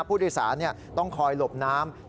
ผู้โดยสารต้องคอยหลบน้ำ